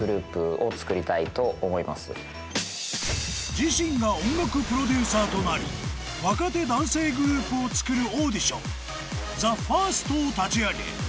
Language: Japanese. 自身が音楽プロデューサーとなり若手男性グループをつくるオーディション「ＴＨＥＦＩＲＳＴ」を立ち上げ